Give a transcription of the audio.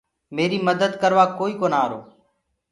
همري مدد ڪروآ ڪوئي ڪونآ آرو۔